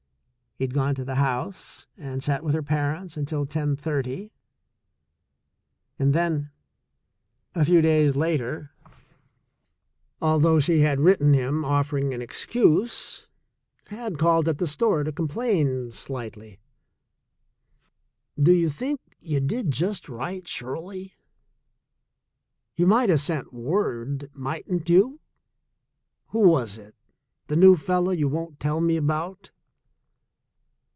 He had gone to the house and sat with her parents until ten thirty, and then, a r THE SECOND CHOICE 147 few days later, although she had written him offering an excuse, had called at the store to complain slightly. "Do you think you did just right, Shirley? You might have sent word, mightn't you ? Who was it — the new fellow you won't tell me about?"